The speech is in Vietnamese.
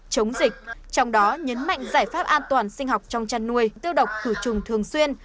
chống dịch trong đó nhấn mạnh giải pháp an toàn sinh học trong chăn nuôi tiêu độc khử trùng thường xuyên